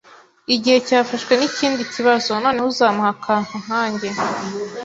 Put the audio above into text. igihe cyafashwe n'ikindi kibazo. Noneho uzamuha akantu, nkanjye. ”